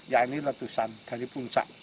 ya ini letusan dari puncak